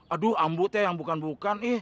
aduh ambu teh yang bukan bukan